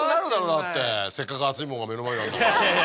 だってせっかく熱いもんが目の前にあるんだから。